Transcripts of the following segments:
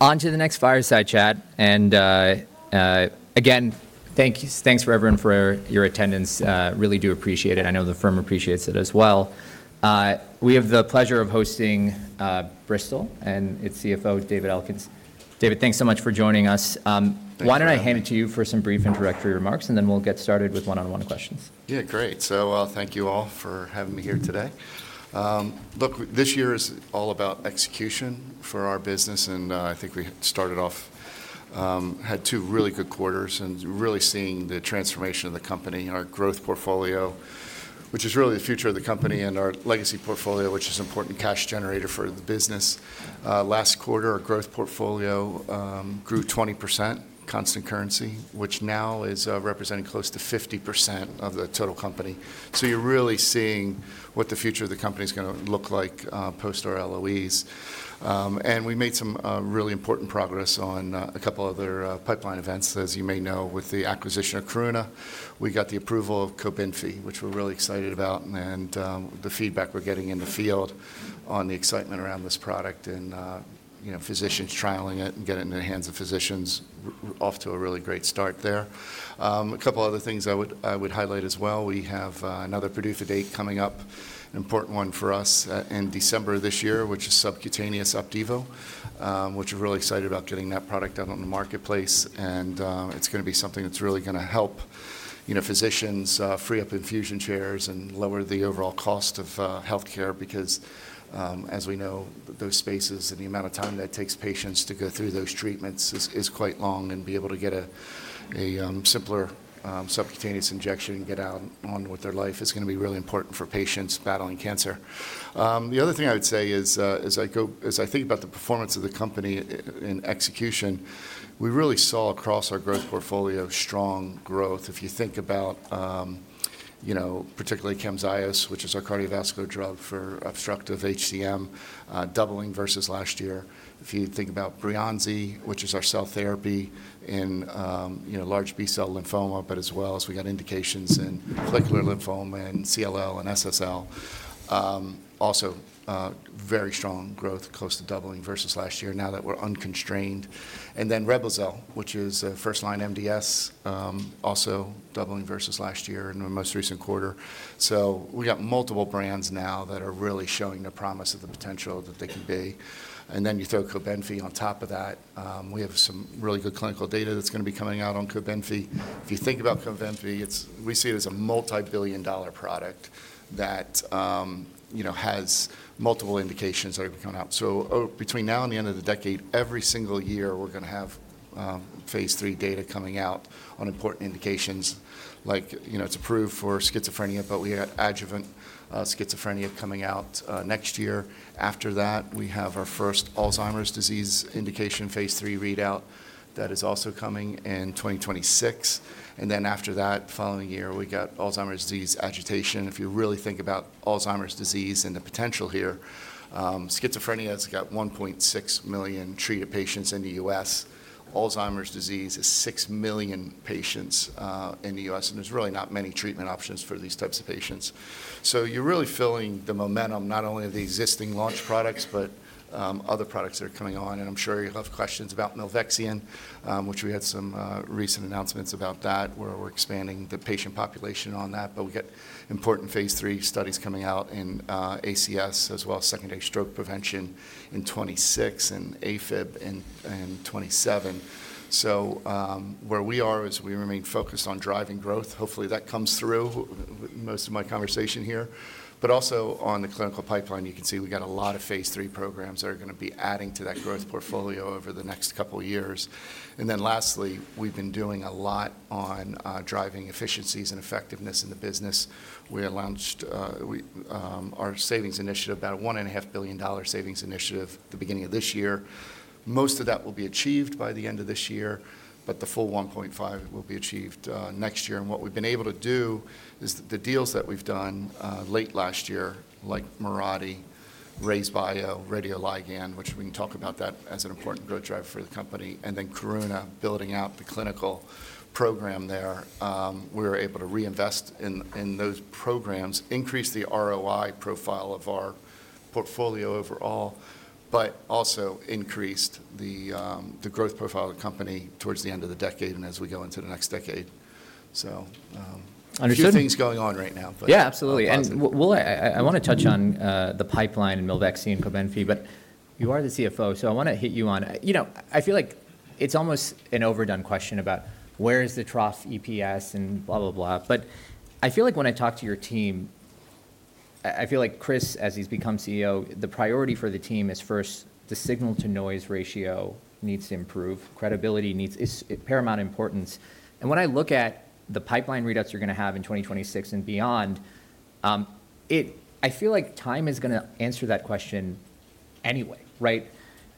On to the next fireside chat. And, again, thanks for everyone for your attendance. Really do appreciate it. I know the firm appreciates it as well. We have the pleasure of hosting Bristol, and its CFO, David Elkins. David, thanks so much for joining us. Why don't I hand it to you for some brief introductory remarks, and then we'll get started with one-on-one questions. Yeah, great. So thank you all for having me here today. Look, this year is all about execution for our business, and I think we started off, had two really good quarters, and really seeing the transformation of the company, our growth portfolio, which is really the future of the company, and our legacy portfolio, which is an important cash generator for the business. Last quarter, our growth portfolio grew 20%, constant currency, which now is representing close to 50% of the total company. So you're really seeing what the future of the company is going to look like post our LOEs. And we made some really important progress on a couple of other pipeline events As you may know, with the acquisition of Karuna, we got the approval of COBENFY, which we're really excited about, and the feedback we're getting in the field on the excitement around this product, and physicians trialing it and getting it into the hands of physicians, off to a really great start there. A couple of other things I would highlight as well. We have another PDUFA date coming up, an important one for us in December of this year, which is subcutaneous OPDIVO, which we're really excited about getting that product out on the marketplace. It's going to be something that's really going to help physicians free up infusion chairs and lower the overall cost of healthcare, because as we know, those spaces and the amount of time that it takes patients to go through those treatments is quite long, and be able to get a simpler subcutaneous injection and get on with their life is going to be really important for patients battling cancer. The other thing I would say is, as I think about the performance of the company in execution, we really saw across our growth portfolio strong growth. If you think about particularly CAMZYOS, which is our cardiovascular drug for obstructive HCM, doubling versus last year. If you think about BREYANZI, which is our cell therapy in large B-cell lymphoma, but as well as we got indications in follicular lymphoma and CLL and SSL. Also, very strong growth, close to doubling versus last year now that we're unconstrained. And then REBLOZYL, which is first-line MDS, also doubling versus last year in the most recent quarter. So we got multiple brands now that are really showing the promise of the potential that they can be. And then you throw COBENFY on top of that. We have some really good clinical data that's going to be coming out on COBENFY. If you think about COBENFY, we see it as a multi-billion-dollar product that has multiple indications that are coming out. So between now and the end of the decade, every single year we're going to have phase three data coming out on important indications. Like it's approved for schizophrenia, but we have adjuvant schizophrenia coming out next year. After that, we have our first Alzheimer's disease indication phase 3 readout that is also coming in 2026. And then after that, the following year, we got Alzheimer's disease agitation. If you really think about Alzheimer's disease and the potential here, schizophrenia has got 1.6 million treated patients in the U.S. Alzheimer's disease is six million patients in the U.S., and there's really not many treatment options for these types of patients. So you're really feeling the momentum not only of the existing launch products, but other products that are coming on. And I'm sure you have questions about Milvexian, which we had some recent announcements about that, where we're expanding the patient population on that. But we got important phase 3 studies coming out in ACS, as well as secondary stroke prevention in 2026 and AFib in 2027. So where we are is we remain focused on driving growth. Hopefully that comes through most of my conversation here, but also on the clinical pipeline, you can see we got a lot of phase 3 programs that are going to be adding to that growth portfolio over the next couple of years, and then lastly, we've been doing a lot on driving efficiencies and effectiveness in the business. We launched our savings initiative, about a $1.5 billion savings initiative at the beginning of this year. Most of that will be achieved by the end of this year, but the full $1.5 billion will be achieved next year, and what we've been able to do is the deals that we've done late last year, like Mirati, RayzeBio, radioligand, which we can talk about that as an important growth driver for the company, and then Karuna building out the clinical program there. We were able to reinvest in those programs, increase the ROI profile of our portfolio overall, but also increased the growth profile of the company towards the end of the decade and as we go into the next decade. So a few things going on right now. Yeah, absolutely. And I want to touch on the pipeline and Milvexian and COBENFY, but you are the CFO, so I want to hit you on it. I feel like it's almost an overdone question about where is the trough EPS and blah, blah, blah. But I feel like when I talk to your team, I feel like Chris, as he's become CEO, the priority for the team is first the signal to noise ratio needs to improve. Credibility is paramount importance. And when I look at the pipeline readouts you're going to have in 2026 and beyond, I feel like time is going to answer that question anyway.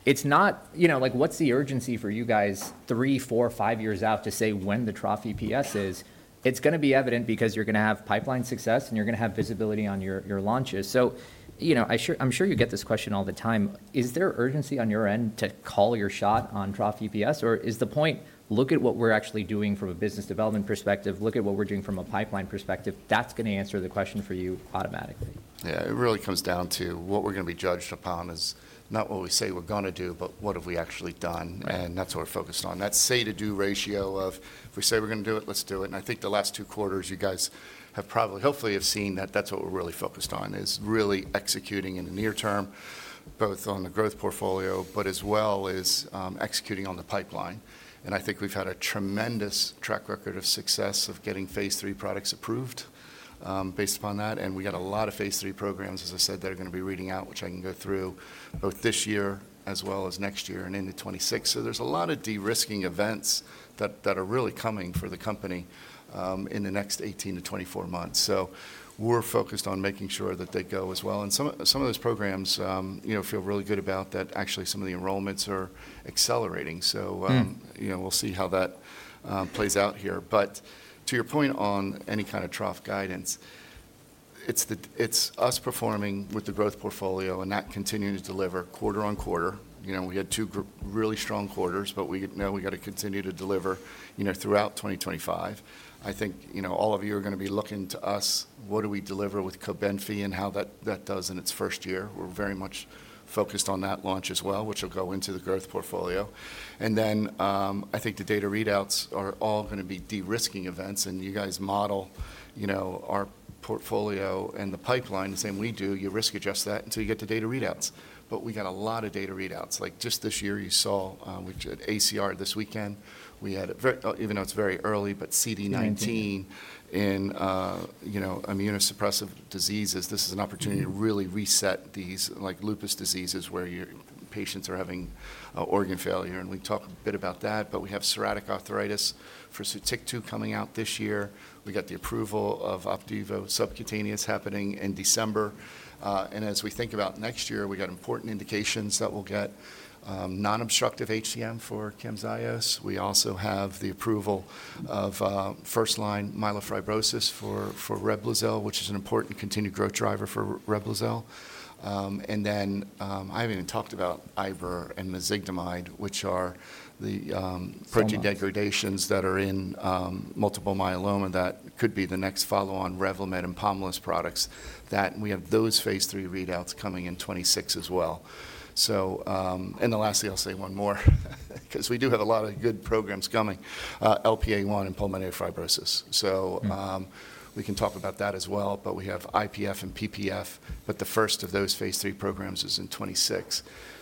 It's not like, what's the urgency for you guys three, four, five years out to say when the trough EPS is? It's going to be evident because you're going to have pipeline success and you're going to have visibility on your launches. So I'm sure you get this question all the time. Is there urgency on your end to call your shot on trough EPS? Or is the point, look at what we're actually doing from a business development perspective, look at what we're doing from a pipeline perspective, that's going to answer the question for you automatically? Yeah, it really comes down to what we're going to be judged upon is not what we say we're going to do, but what have we actually done. And that's what we're focused on. That say-to-do ratio of, if we say we're going to do it, let's do it. And I think the last two quarters you guys have probably, hopefully have seen that that's what we're really focused on, is really executing in the near term, both on the growth portfolio, but as well as executing on the pipeline. And I think we've had a tremendous track record of success of getting phase three products approved based upon that. And we got a lot of phase three programs, as I said, that are going to be reading out, which I can go through both this year as well as next year and into 2026. There's a lot of de-risking events that are really coming for the company in the next 18-24 months. We're focused on making sure that they go as well. Some of those programs feel really good about that. Actually, some of the enrollments are accelerating. We'll see how that plays out here. To your point on any kind of trough guidance, it's us performing with the growth portfolio and not continuing to deliver quarter on quarter. We had two really strong quarters, but we know we got to continue to deliver throughout 2025. I think all of you are going to be looking to us, what do we deliver with COBENFY and how that does in its first year. We're very much focused on that launch as well, which will go into the growth portfolio. And then I think the data readouts are all going to be de-risking events. And you guys model our portfolio and the pipeline, the same we do, you risk adjust that until you get the data readouts. But we got a lot of data readouts. Like just this year you saw, we did ACR this weekend. We had, even though it's very early, but CD19 in immunosuppressive diseases. This is an opportunity to really reset these lupus diseases where patients are having organ failure. And we talked a bit about that, but we have psoriatic arthritis for SOTYKTU coming out this year. We got the approval of OPDIVO subcutaneous happening in December. And as we think about next year, we got important indications that we'll get non-obstructive HCM for CAMZYOS. We also have the approval of first line myelofibrosis for REBLOZYL, which is an important continued growth driver for REBLOZYL, and then I haven't even talked about Iberdomide and Mezigdomide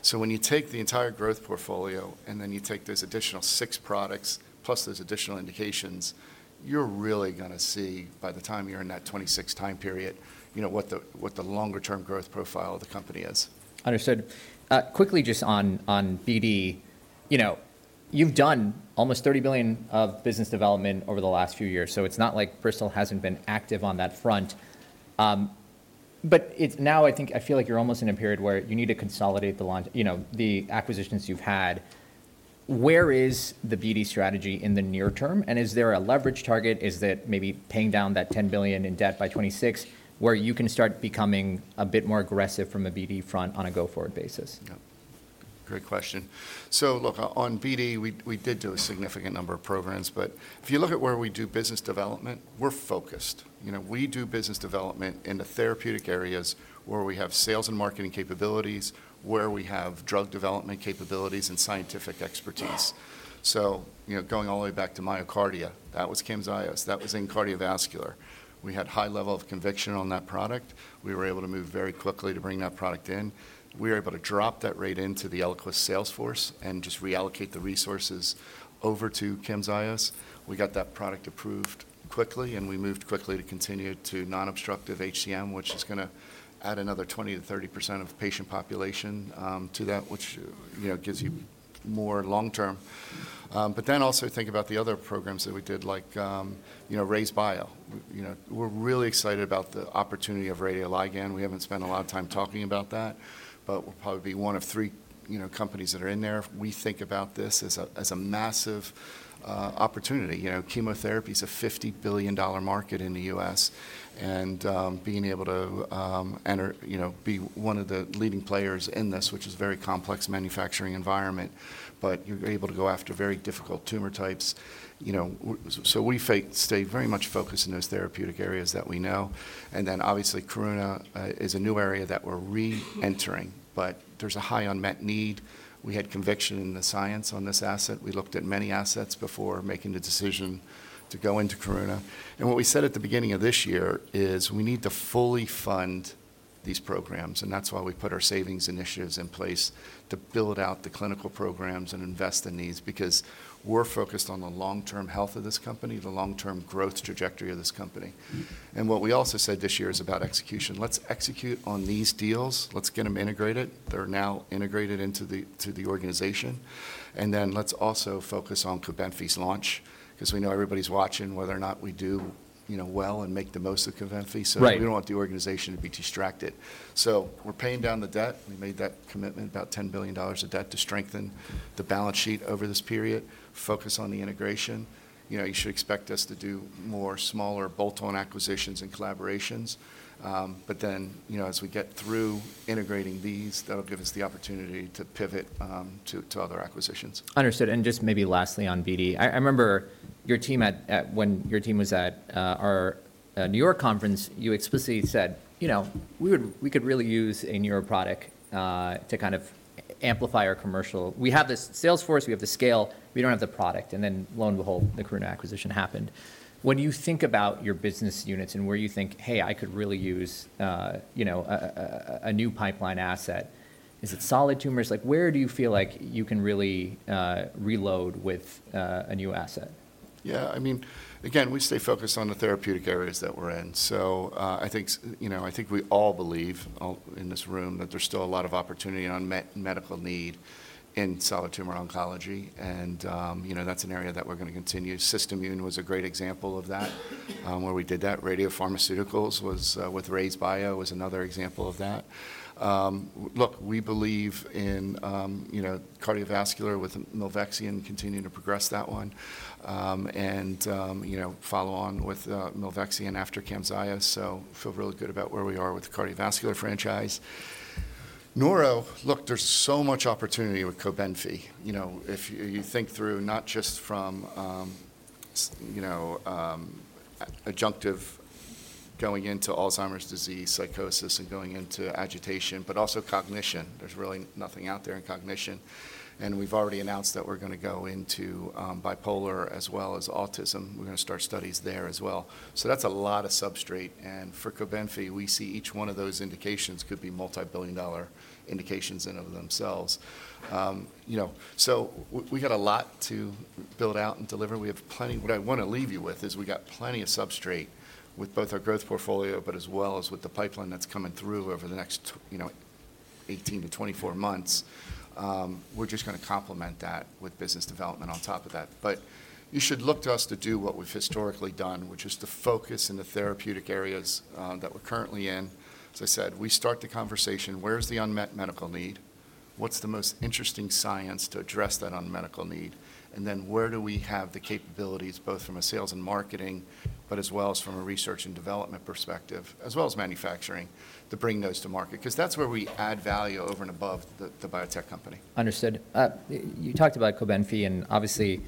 So when you take the entire growth portfolio and then you take those additional six products, plus those additional indications, you're really going to see by the time you're in that 2026 time period what the longer-term growth profile of the company is. Understood. Quickly just on BD, you've done almost $30 billion of business development over the last few years. So it's not like Bristol hasn't been active on that front. But now I think I feel like you're almost in a period where you need to consolidate the acquisitions you've had. Where is the BD strategy in the near term? And is there a leverage target? Is that maybe paying down that $10 billion in debt by 2026 where you can start becoming a bit more aggressive from a BD front on a go-forward basis? Great question. So look, on BD, we did do a significant number of programs. But if you look at where we do business development, we're focused. We do business development in the therapeutic areas where we have sales and marketing capabilities, where we have drug development capabilities and scientific expertise. So going all the way back to MyoKardia, that was CAMZYOS. That was in cardiovascular. We had high level of conviction on that product. We were able to move very quickly to bring that product in. We were able to drop that rate into the ELIQUIS sales force and just reallocate the resources over to CAMZYOS. We got that product approved quickly, and we moved quickly to continue to non-obstructive HCM, which is going to add another 20%-30% of patient population to that, which gives you more long-term. But then also think about the other programs that we did, like RayzeBio. We're really excited about the opportunity of radioligand. We haven't spent a lot of time talking about that, but we'll probably be one of three companies that are in there. We think about this as a massive opportunity. Chemotherapy is a $50 billion market in the U.S., and being able to be one of the leading players in this, which is a very complex manufacturing environment, but you're able to go after very difficult tumor types. So we stay very much focused in those therapeutic areas that we know. And then obviously Karuna is a new area that we're re-entering, but there's a high unmet need. We had conviction in the science on this asset. We looked at many assets before making the decision to go into Karuna. And what we said at the beginning of this year is we need to fully fund these programs. And that's why we put our savings initiatives in place to build out the clinical programs and invest in these because we're focused on the long-term health of this company, the long-term growth trajectory of this company. And what we also said this year is about execution. Let's execute on these deals. Let's get them integrated. They're now integrated into the organization. And then let's also focus on COBENFY's launch because we know everybody's watching whether or not we do well and make the most of COBENFY. So we don't want the organization to be distracted. So we're paying down the debt. We made that commitment, about $10 billion of debt to strengthen the balance sheet over this period, focus on the integration. You should expect us to do more smaller bolt-on acquisitions and collaborations. But then as we get through integrating these, that'll give us the opportunity to pivot to other acquisitions. Understood, and just maybe lastly on BD. I remember when your team was at our New York conference. You explicitly said, "We could really use a newer product to kind of amplify our commercial. We have this sales force, we have the scale, we don't have the product." And then lo and behold, the Karuna acquisition happened. When you think about your business units and where you think, "Hey, I could really use a new pipeline asset," is it solid tumors? Where do you feel like you can really reload with a new asset? Yeah, I mean, again, we stay focused on the therapeutic areas that we're in. So I think we all believe in this room that there's still a lot of opportunity and unmet medical need in solid tumor oncology. And that's an area that we're going to continue. SystImmune was a great example of that where we did that. Radiopharmaceuticals with RayzeBio was another example of that. Look, we believe in cardiovascular with Milvexian and continue to progress that one and follow on with Milvexian and after CAMZYOS. So I feel really good about where we are with the cardiovascular franchise. Neuro, look, there's so much opportunity with COBENFY. If you think through not just from adjunctive going into Alzheimer's disease, psychosis, and going into agitation, but also cognition. There's really nothing out there in cognition. And we've already announced that we're going to go into bipolar as well as autism. We're going to start studies there as well. So that's a lot of substrate. And for COBENFY, we see each one of those indications could be multi-billion dollar indications in and of themselves. So we got a lot to build out and deliver. What I want to leave you with is we got plenty of substrate with both our growth portfolio, but as well as with the pipeline that's coming through over the next 18-24 months. We're just going to complement that with business development on top of that. But you should look to us to do what we've historically done, which is to focus in the therapeutic areas that we're currently in. As I said, we start the conversation, where's the unmet medical need? What's the most interesting science to address that unmet medical need? And then where do we have the capabilities, both from a sales and marketing, but as well as from a research and development perspective, as well as manufacturing, to bring those to market? Because that's where we add value over and above the biotech company. Understood. You talked about COBENFY and obviously,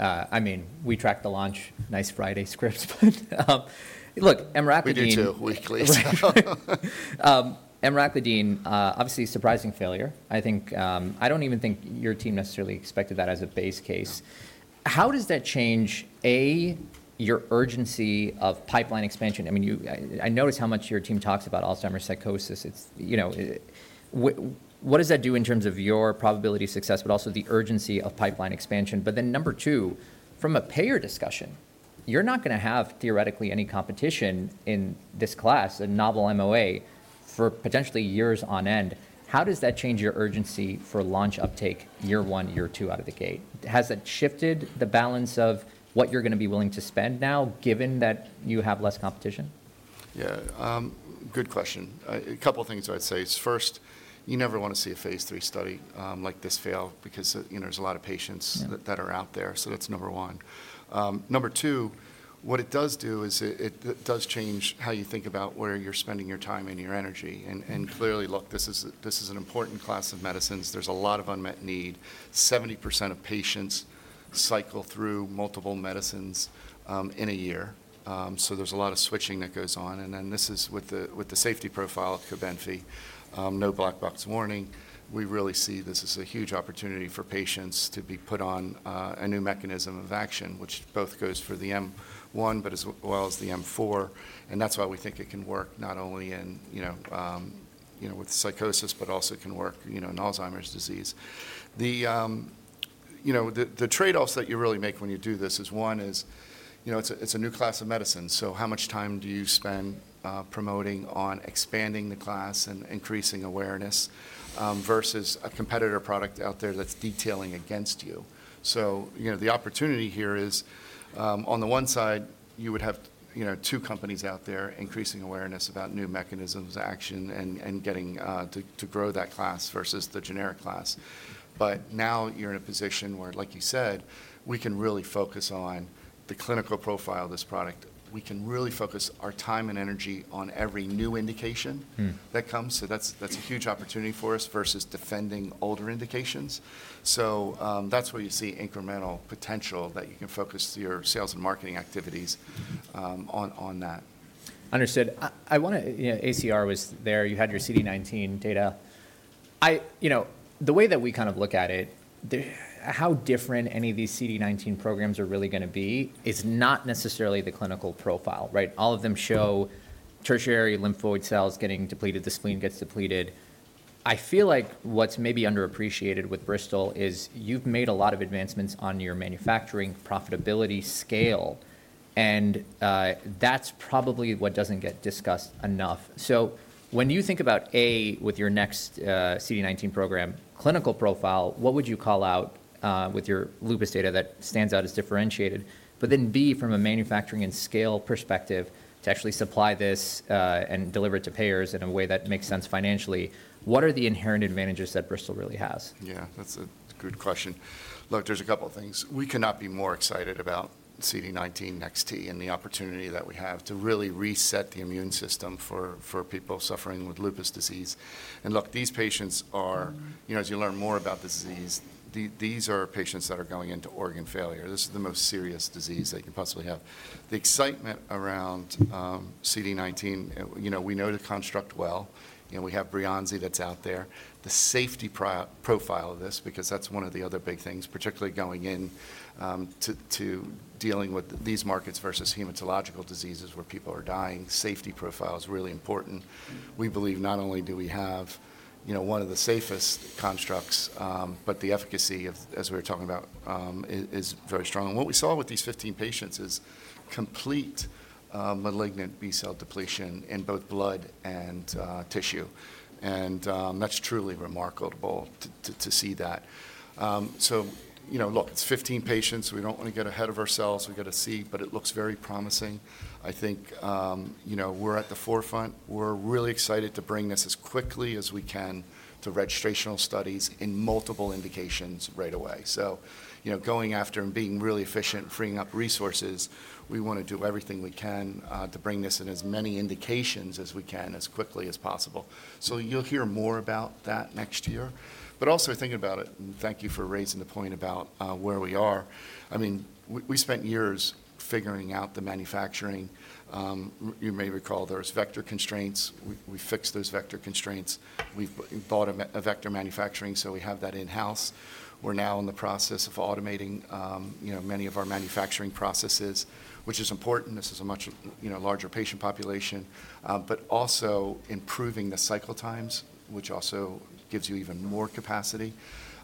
I mean, we track the launch NICE Friday script. But look, Emraclidine. We do too weekly. Emraclidine, obviously surprising failure. I don't even think your team necessarily expected that as a base case. How does that change, A, your urgency of pipeline expansion? I mean, I noticed how much your team talks about Alzheimer's psychosis. What does that do in terms of your probability of success, but also the urgency of pipeline expansion? But then number two, from a payer discussion, you're not going to have theoretically any competition in this class, a novel MOA for potentially years on end. How does that change your urgency for launch uptake year one, year two out of the gate? Has that shifted the balance of what you're going to be willing to spend now given that you have less competition? Yeah, good question. A couple of things I'd say. First, you never want to see a phase three study like this fail because there's a lot of patients that are out there. So that's number one. Number two, what it does do is it does change how you think about where you're spending your time and your energy. And clearly, look, this is an important class of medicines. There's a lot of unmet need. 70% of patients cycle through multiple medicines in a year. So there's a lot of switching that goes on. And then this is with the safety profile of COBENFY, no black box warning. We really see this as a huge opportunity for patients to be put on a new mechanism of action, which both goes for the M1, but as well as the M4. And that's why we think it can work not only with psychosis, but also can work in Alzheimer's disease. The trade-offs that you really make when you do this is one: it's a new class of medicine. So how much time do you spend promoting on expanding the class and increasing awareness versus a competitor product out there that's detailing against you? So the opportunity here is on the one side, you would have two companies out there increasing awareness about new mechanisms of action and getting to grow that class versus the generic class. But now you're in a position where, like you said, we can really focus on the clinical profile of this product. We can really focus our time and energy on every new indication that comes. So that's a huge opportunity for us versus defending older indications. So that's where you see incremental potential that you can focus your sales and marketing activities on that. Understood. ACR was there. You had your CD19 data. The way that we kind of look at it, how different any of these CD19 programs are really going to be is not necessarily the clinical profile. All of them show tertiary lymphoid cells getting depleted, the spleen gets depleted. I feel like what's maybe underappreciated with Bristol is you've made a lot of advancements on your manufacturing profitability scale. And that's probably what doesn't get discussed enough. So when you think about A, with your next CD19 program clinical profile, what would you call out with your lupus data that stands out as differentiated? But then B, from a manufacturing and scale perspective, to actually supply this and deliver it to payers in a way that makes sense financially, what are the inherent advantages that Bristol really has? Yeah, that's a good question. Look, there's a couple of things. We cannot be more excited about CD19 NEX-T and the opportunity that we have to really reset the immune system for people suffering with lupus disease, and look, these patients are, as you learn more about the disease, these are patients that are going into organ failure. This is the most serious disease they can possibly have. The excitement around CD19, we know to construct well. We have BREYANZI that's out there. The safety profile of this, because that's one of the other big things, particularly going into dealing with these markets versus hematological diseases where people are dying, safety profile is really important. We believe not only do we have one of the safest constructs, but the efficacy, as we were talking about, is very strong. And what we saw with these 15 patients is complete malignant B-cell depletion in both blood and tissue. And that's truly remarkable to see that. So look, it's 15 patients. We don't want to get ahead of ourselves. We got to see, but it looks very promising. I think we're at the forefront. We're really excited to bring this as quickly as we can to registrational studies in multiple indications right away. So going after and being really efficient and freeing up resources, we want to do everything we can to bring this in as many indications as we can as quickly as possible. So you'll hear more about that next year. But also thinking about it, and thank you for raising the point about where we are. I mean, we spent years figuring out the manufacturing. You may recall there's vector constraints. We fixed those vector constraints. We bought a vector manufacturing, so we have that in-house. We're now in the process of automating many of our manufacturing processes, which is important. This is a much larger patient population, but also improving the cycle times, which also gives you even more capacity.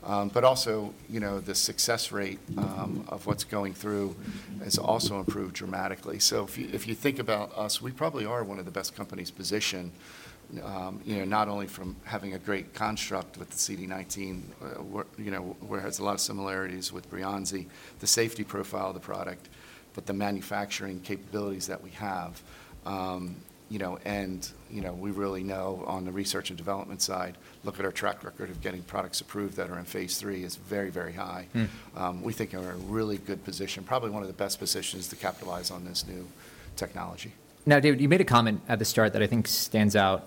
But also the success rate of what's going through has also improved dramatically. So if you think about us, we probably are one of the best companies positioned, not only from having a great construct with the CD19, where it has a lot of similarities with Breyanzi, the safety profile of the product, but the manufacturing capabilities that we have. And we really know on the research and development side, look at our track record of getting products approved that are in phase 3 is very, very high. We think we're in a really good position, probably one of the best positions to capitalize on this new technology. Now, David, you made a comment at the start that I think stands out.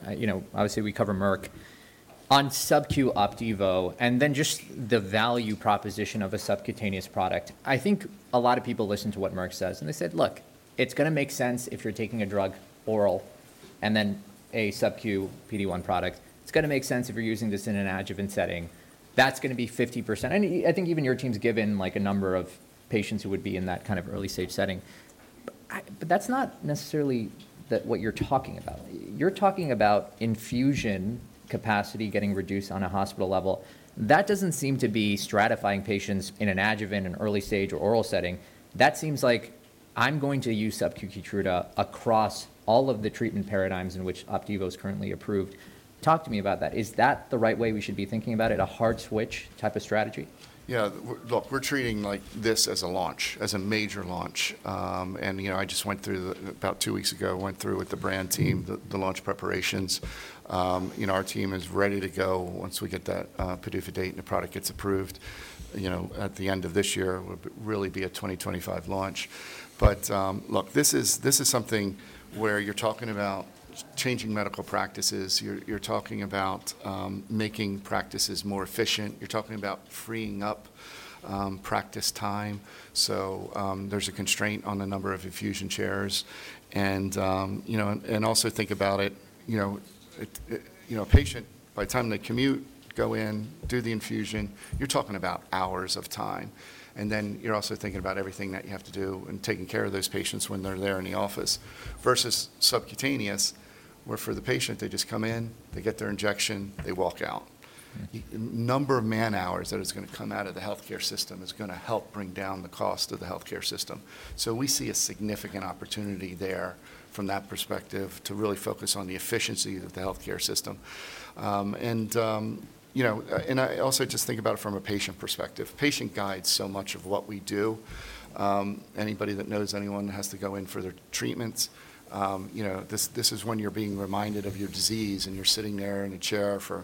Obviously, we cover Merck on subQ OPDIVO, and then just the value proposition of a subcutaneous product. I think a lot of people listen to what Merck says, and they said, "Look, it's going to make sense if you're taking a drug oral and then a subQ PD-1 product. It's going to make sense if you're using this in an adjuvant setting. That's going to be 50%." And I think even your team's given a number of patients who would be in that kind of early stage setting. But that's not necessarily what you're talking about. You're talking about infusion capacity getting reduced on a hospital level. That doesn't seem to be stratifying patients in an adjuvant, an early stage, or oral setting. That seems like, "I'm going to use subQ Keytruda across all of the treatment paradigms in which OPDIVO is currently approved." Talk to me about that. Is that the right way we should be thinking about it? A hard switch type of strategy? Yeah. Look, we're treating this as a launch, as a major launch. And I just went through about two weeks ago, went through with the brand team, the launch preparations. Our team is ready to go once we get that PDUFA date and the product gets approved. At the end of this year, it will really be a 2025 launch. But look, this is something where you're talking about changing medical practices. You're talking about making practices more efficient. You're talking about freeing up practice time. So there's a constraint on the number of infusion chairs. And also think about it, a patient by the time they commute, go in, do the infusion, you're talking about hours of time. And then you're also thinking about everything that you have to do and taking care of those patients when they're there in the office versus subcutaneous, where for the patient, they just come in, they get their injection, they walk out. Number of man-hours that is going to come out of the healthcare system is going to help bring down the cost of the healthcare system. So we see a significant opportunity there from that perspective to really focus on the efficiency of the healthcare system. And I also just think about it from a patient perspective. Patient guides so much of what we do. Anybody that knows anyone has to go in for their treatments. This is when you're being reminded of your disease and you're sitting there in a chair for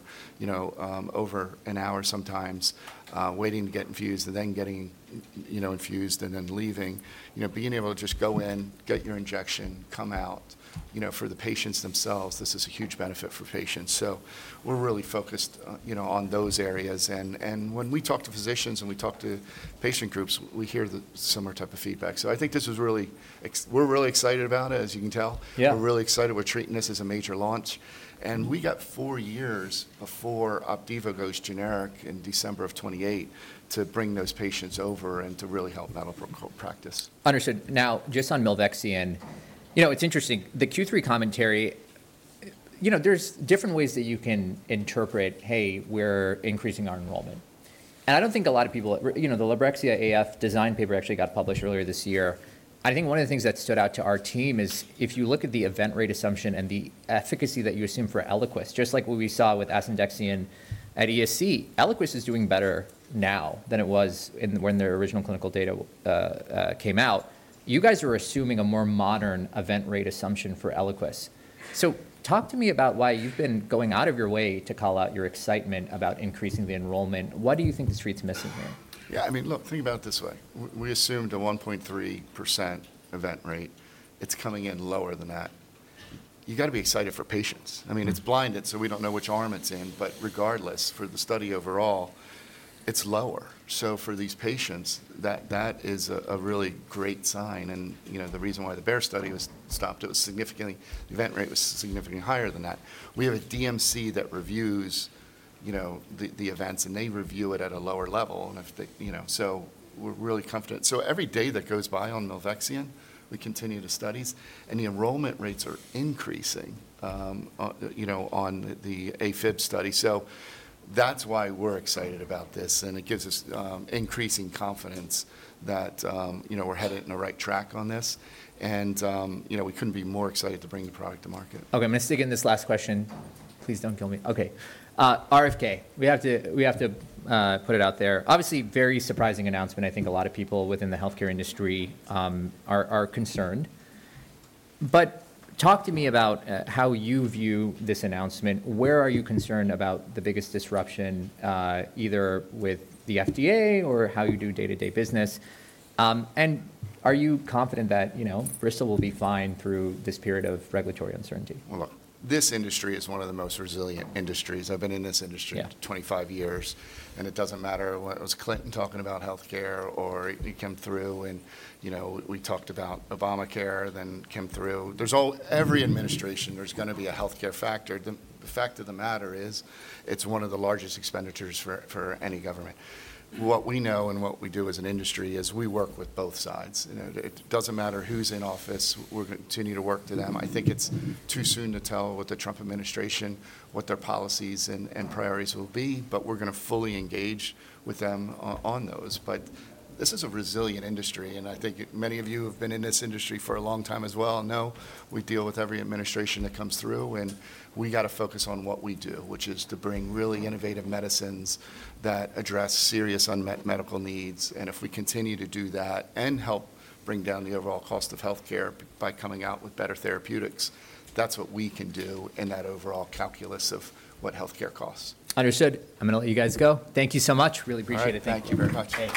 over an hour sometimes, waiting to get infused and then getting infused and then leaving. Being able to just go in, get your injection, come out for the patients themselves, this is a huge benefit for patients. So we're really focused on those areas. And when we talk to physicians and we talk to patient groups, we hear the similar type of feedback. So I think this is really, we're really excited about it, as you can tell. We're really excited. We're treating this as a major launch. And we got four years before OPDIVO goes generic in December of 2028 to bring those patients over and to really help medical practice. Understood. Now, just on Milvexian, it's interesting. The Q3 commentary, there's different ways that you can interpret, "Hey, we're increasing our enrollment." And I don't think a lot of people the LIBREXIA AF design paper actually got published earlier this year. I think one of the things that stood out to our team is if you look at the event rate assumption and the efficacy that you assume for ELIQUIS, just like what we saw with Asundexian at ESC, ELIQUIS is doing better now than it was when their original clinical data came out. You guys are assuming a more modern event rate assumption for ELIQUIS. So talk to me about why you've been going out of your way to call out your excitement about increasing the enrollment. What do you think the street's missing here? Yeah. I mean, look, think about it this way. We assumed a 1.3% event rate. It's coming in lower than that. You got to be excited for patients. I mean, it's blinded, so we don't know which arm it's in. But regardless, for the study overall, it's lower. So for these patients, that is a really great sign. And the reason why the Bayer study was stopped, the event rate was significantly higher than that. We have a DMC that reviews the events, and they review it at a lower level. And so we're really confident. So every day that goes by on Milvexian, we continue the studies. And the enrollment rates are increasing on the AFib study. So that's why we're excited about this. And it gives us increasing confidence that we're headed in the right track on this. We couldn't be more excited to bring the product to market. Okay. I'm going to stick in this last question. Please don't kill me. Okay. RFK, we have to put it out there. Obviously, very surprising announcement. I think a lot of people within the healthcare industry are concerned. But talk to me about how you view this announcement. Where are you concerned about the biggest disruption, either with the FDA or how you do day-to-day business? And are you confident that Bristol will be fine through this period of regulatory uncertainty? Look, this industry is one of the most resilient industries. I've been in this industry for 25 years. It doesn't matter what Clinton was talking about healthcare or he came through and we talked about Obamacare, then he came through. Every administration, there's going to be a healthcare factor. The fact of the matter is it's one of the largest expenditures for any government. What we know and what we do as an industry is we work with both sides. It doesn't matter who's in office. We're going to continue to work with them. I think it's too soon to tell what the Trump administration, what their policies and priorities will be, but we're going to fully engage with them on those. This is a resilient industry. I think many of you have been in this industry for a long time as well. We deal with every administration that comes through, and we got to focus on what we do, which is to bring really innovative medicines that address serious unmet medical needs, and if we continue to do that and help bring down the overall cost of healthcare by coming out with better therapeutics, that's what we can do in that overall calculus of what healthcare costs. Understood. I'm going to let you guys go. Thank you so much. Really appreciate it. Thank you very much. Hey.